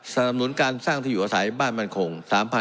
สนับสนุนการสร้างที่อยู่อาศัยบ้านมั่นคง